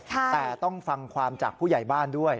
แต่ต้องฟังความจากผู้ใหญ่บ้านด้วย